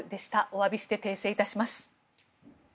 お詫びして訂正いたします。